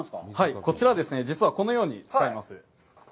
こちらはですね、実はこのように使います。